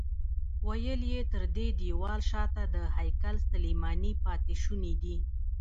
ویل یې تر دې دیوال شاته د هیکل سلیماني پاتې شوني دي.